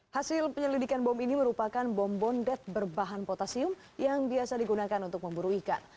hasil penyelidikan bom ini merupakan bom bondet berbahan potasium yang biasa digunakan untuk memburu ikan